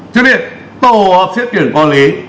chứ biết tổ hợp xét tuyển qua lý